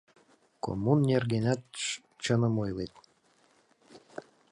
Коммун нергенат чыным ойлет.